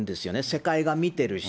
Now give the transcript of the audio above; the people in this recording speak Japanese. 世界が見てるし。